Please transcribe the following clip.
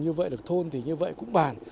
như vậy được thôn thì như vậy cũng bàn